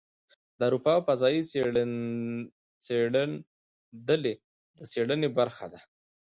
د اروپا فضايي څېړندلې د څېړنې برخه ده.